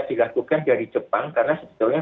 dilakukan dari jepang karena sebetulnya